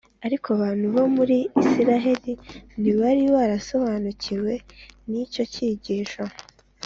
’ariko abantu bo mu Isiraheli ntibari barasobanukiwe n’icyo cyigisho.